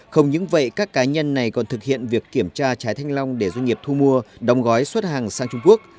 không những vậy các cá nhân này còn thực hiện việc kiểm tra trái thanh long để doanh nghiệp thu mua đồng gói xuất hàng sang trung quốc